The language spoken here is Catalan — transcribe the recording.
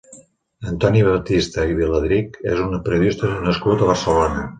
Antoni Batista i Viladrich és un periodista nascut a Barcelona.